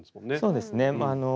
そうですね。